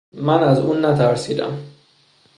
من از اون نترسیدم...